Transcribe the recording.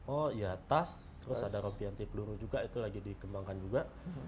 oh iya tas terus ada rompian tip luruh juga itu lagi dikembangkan juga